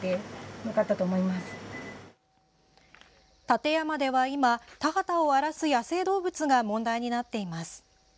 館山では今、田畑を荒らす野生動物が問題になっています。